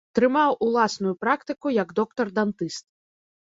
Трымаў уласную практыку як доктар-дантыст.